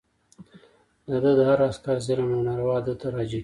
د ده د هر عسکر ظلم او ناروا ده ته راجع کېږي.